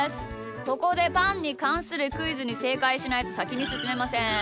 ここでパンにかんするクイズにせいかいしないとさきにすすめません。